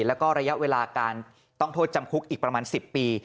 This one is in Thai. แล้วก็ระยะเวลาการต้องโทษจำคุกอีกประมาณ๑๐ปี